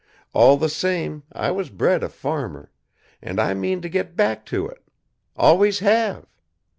All the same, I was bred a farmer, and I mean to get back to it. Always have!